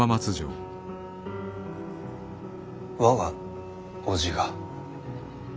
我が伯父が？